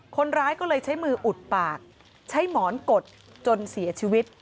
คนร้ายก็เลยใช้มืออุดปากใช้หมอนกดจนเสียชีวิต